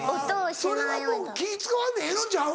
それはもう気使わんでええのんちゃう？